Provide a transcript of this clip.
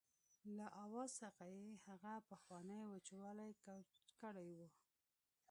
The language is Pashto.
له آواز څخه یې هغه پخوانی وچوالی کوچ کړی و.